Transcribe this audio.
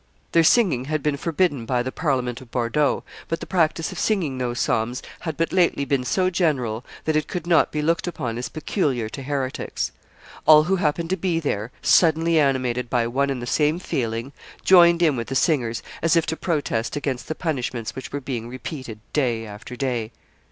Their singing had been forbidden by the Parliament of Bordeaux, but the practice of singing those psalms had but lately been so general that it could not be looked upon as peculiar to heretics. All who happened to be there, suddenly animated by one and the same feeling, joined in with the singers, as if to protest against the punishments which were being repeated day after day.